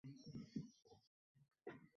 আর সেটা পেয়েওছিলাম, ঠিক স্যাম যেখানে বলেছিল।